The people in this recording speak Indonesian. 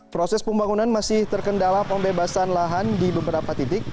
proses pembangunan masih terkendala pembebasan lahan di beberapa titik